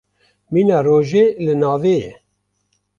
Mîna rojê li navê ye.